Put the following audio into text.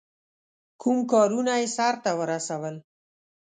کوم کارونه یې سرته ورسول.